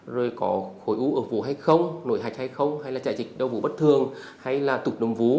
rồi có khối ú ở vú hay không nổi hạch hay không hay là trại dịch đầu vú bất thường hay là tục nồng vú